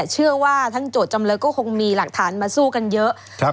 เชื่อว่าทั้งโจทย์จำเลยก็คงมีหลักฐานมาสู้กันเยอะ